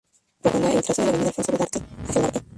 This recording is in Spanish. Prolonga el trazo de la avenida Alfonso Ugarte hacia el norte.